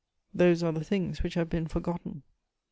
'" Those are the things which have been forgotten!